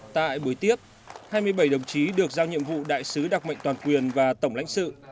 tại buổi tiếp hai mươi bảy đồng chí được giao nhiệm vụ đại sứ đặc mệnh toàn quyền và tổng lãnh sự